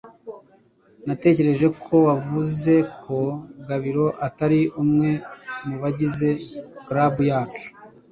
Natekereje ko wavuze ko Gabiro atari umwe mubagize club yacu